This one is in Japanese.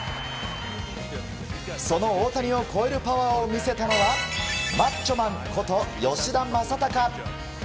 その大谷を超えるパワーを見せたのはマッチョマンこと吉田正尚！